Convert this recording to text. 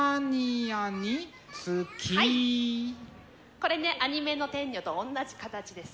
これでアニメの天女とおんなじ形です。